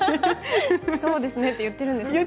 「そうですね」と言っているんですね。